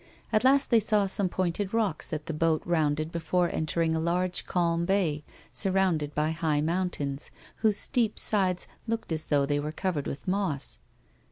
At last they saw some pointed rocks that the boat rounded before entering a large, calm bay, surrounded by high mountains, whose steep sides looked as though they were covered with moss.